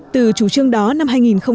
từ chủ trương đó năm hai nghìn một mươi chín